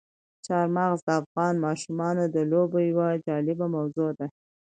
چار مغز د افغان ماشومانو د لوبو یوه جالبه موضوع ده.